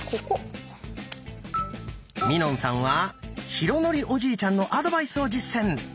みのんさんは浩徳おじいちゃんのアドバイスを実践！